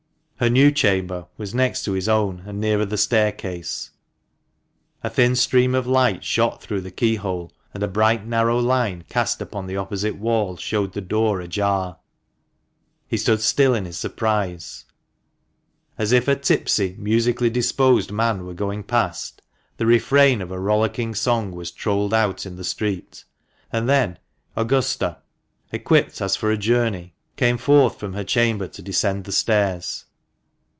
Her new chamber was next to his own, and nearer to the staircase. A thin stream of light shot through the key hole, and a bright narrow line cast upon the opposite wall showed the door ajar. He stood still in his surprise. As if a tipsy, musically disposed man were going past, the refrain of a rollicking song was trolled out in the street ; and then Augusta, equipped as for a journey, came forth from her chamber to descend the stairs.